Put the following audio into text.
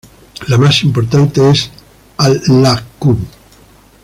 La más importante es "Al-lah", q.